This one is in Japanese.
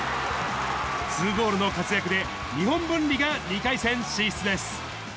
２ゴールの活躍で、日本文理が２回戦進出です。